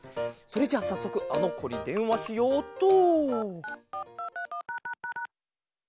それじゃあさっそくあのこにでんわしようっと。